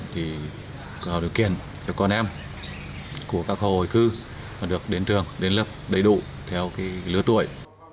thì có điều kiện cho con em của các hộ hồi cư được đến trường đến lớp đầy đủ theo lứa tuổi